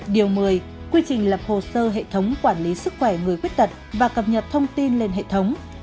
điều một mươi quy trình lập hồ sơ hệ thống quản lý sức khỏe người khuyết tật và cập nhật thông tin lên hệ thống